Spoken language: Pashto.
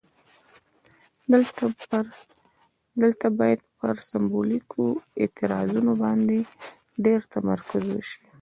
دلته باید پر سمبولیکو اعتراضونو باندې ډیر تمرکز وشي.